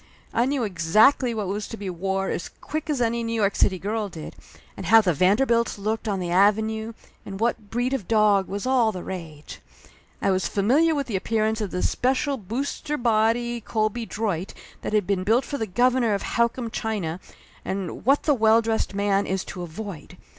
I knew exactly what was to be wore as quick as any New York City girl did, and how the Vanderbilts looked on the Ave nue, and what breed of dog was all the rage. I was familiar with the appearance of the special Booster Laughter Limited 45 Body Colby Droit that had been built for the governor of Howcome, China, and What the Well Dressed Man is to Avoid.